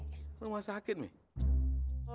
kalau kami juga rumah sakit pakai ac